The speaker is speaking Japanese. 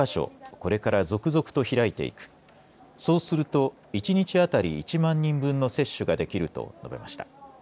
これから続々と開いていくそうすると１日当たり１万人分の接種ができると述べました。